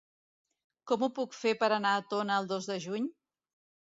Com ho puc fer per anar a Tona el dos de juny?